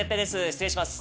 失礼します。